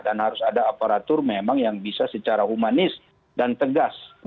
dan harus ada aparatur memang yang bisa secara humanis dan tegas